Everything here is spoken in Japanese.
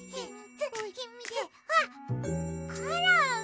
あっコロン。